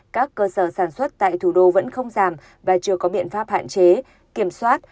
các cơ sở sản xuất tại thủ đô vẫn không giảm và chưa có biện pháp hạn chế kiểm soát